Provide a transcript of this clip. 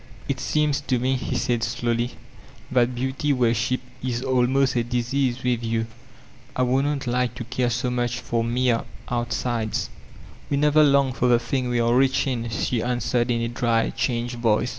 "It seems to me, he said slowly, "that beauty worshq> is almost a disease with you. I wouldn't like to care so much for mere out sides." "We never long for the thing we are rich in, die answered in a dry, changed voice.